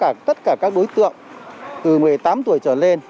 và cũng có tất cả các đối tượng từ một mươi tám tuổi trở lên